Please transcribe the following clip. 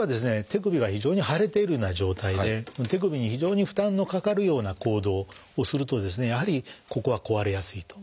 手首が非常に腫れているような状態で手首に非常に負担のかかるような行動をするとですねやはりここは壊れやすいと。